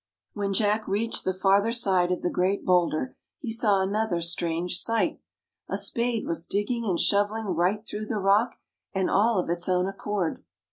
When Jack reached the farther side of the great boulder, he saw another strange sight. A spade was digging and shoveling right through the rock — and all of its own accord.